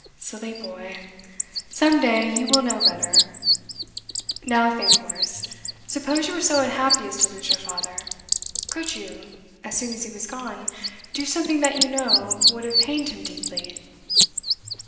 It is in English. Silly boy! Some day you will know better. Now, think, Horace; suppose you were so unhappy as to lose your father. Could you, as soon as he was gone, do something that you know would have pained him deeply?